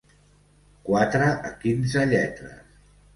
Quatre a quinze lletres.